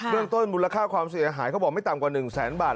เรื่องต้นมูลค่าความเสียหายเขาบอกไม่ต่ำกว่า๑แสนบาท